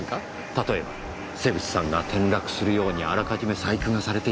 例えば瀬口さんが転落するようにあらかじめ細工がされていたとか。